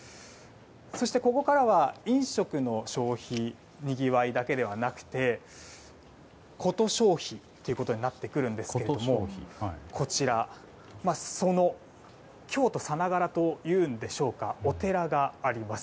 そしてここからは飲食の消費にぎわいだけではなくてこと消費ということになってくるんですがこちら、京都さながらと言うんでしょうかお寺があります。